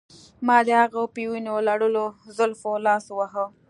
ما د هغې په وینو لړلو زلفو لاس واهه